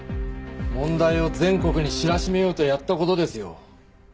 問題を全国に知らしめようとやった事ですよ。